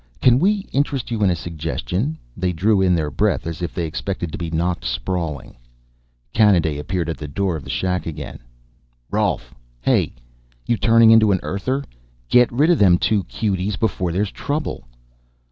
"Can we interest you in a suggestion?" They drew in their breath as if they expected to be knocked sprawling. Kanaday appeared at the door of the shack again. "Rolf. Hey! You turning into an Earther? Get rid of them two cuties before there's trouble."